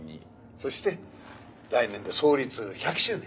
そして来年で創立１００周年。